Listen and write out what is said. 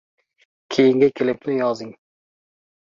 — Dehqonqul-ay!